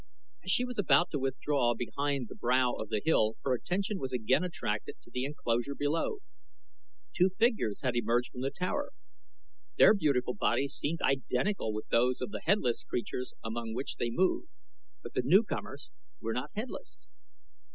As she was about to withdraw behind the brow of the hill her attention was again attracted to the enclosure below. Two figures had emerged from the tower. Their beautiful bodies seemed identical with those of the headless creatures among which they moved, but the newcomers were not headless.